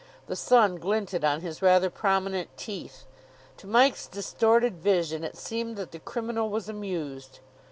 The sun glinted on his rather prominent teeth. To Mike's distorted vision it seemed that the criminal was amused.